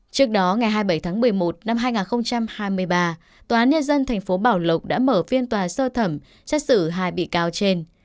trước đó ngày hai mươi bảy tháng một mươi một năm hai nghìn hai mươi ba tòa án nhân dân tp bảo lộc đã mở phiên tòa sơ thẩm xét xử hai bị cáo trên